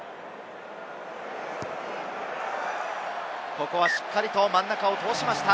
ここはしっかりと真ん中を通しました。